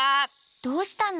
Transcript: どうしたの？